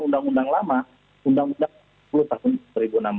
undang undang lama undang undang